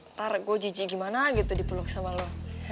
ntar gue jijik gimana gitu dipeluk sama lo